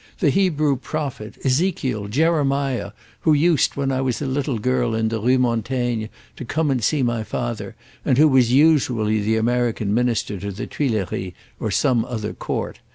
The Hebrew prophet, Ezekiel, Jeremiah, who used when I was a little girl in the Rue Montaigne to come to see my father and who was usually the American Minister to the Tuileries or some other court.